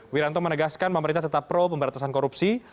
wiranto menegaskan pemerintah tetap pro pemberantasan korupsi